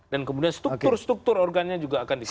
dan kemudian struktur struktur organnya juga akan dikontrol